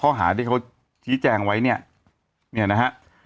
ของเขาที่แจงไว้เนี่ยนะฮะ